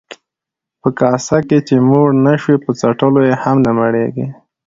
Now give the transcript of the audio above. ـ په کاسه چې موړ نشوې، په څټلو يې هم نه مړېږې.